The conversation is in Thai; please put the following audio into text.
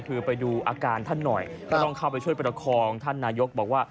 คือไปดูอาการท่านหน่อยก็ต้องเข้าไปช่วยประคองท่านนายกบอกว่า